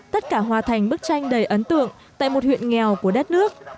tất cả hòa thành bức tranh đầy ấn tượng tại một huyện nghèo của đất nước